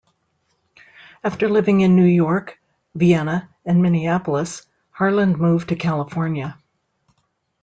After living in New York, Vienna, and Minneapolis, Harland moved to California.